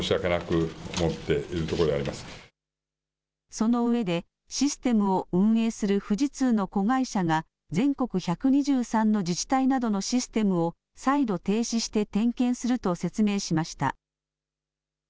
その上で、システムを運営する富士通の子会社が全国１２３の自治体などのシステムを再度停止して点検すると説明しました。